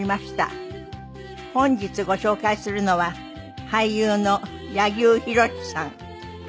本日ご紹介するのは俳優の柳生博さん。